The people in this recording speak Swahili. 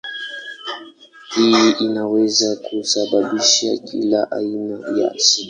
Hii inaweza kusababisha kila aina ya shida.